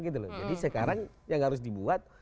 jadi sekarang yang harus dibuat